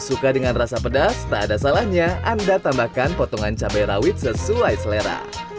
suka dengan rasa pedas tak ada salahnya anda tambahkan potongan cabai rawit sesuai selera